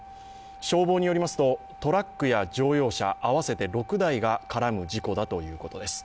消防によりますと、トラックや乗用車合わせて６台が絡む事故だということです。